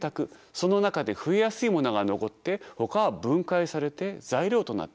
その中で増えやすいものが残ってほかは分解されて材料となっていく